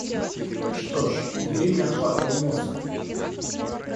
Что ж, бери меня хваткой мёрзкой!